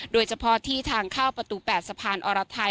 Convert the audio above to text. โดยเฉพาะที่ทางเข้าประตู๘สะพานอรไทย